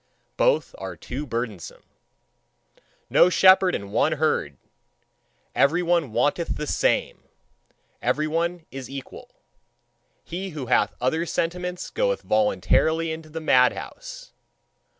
Both are too burdensome. No shepherd, and one herd! Every one wanteth the same; every one is equal: he who hath other sentiments goeth voluntarily into the madhouse.